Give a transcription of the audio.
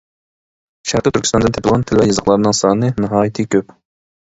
شەرقىي تۈركىستاندىن تېپىلغان تىل ۋە يېزىقلارنىڭ سانى ناھايىتى كۆپ.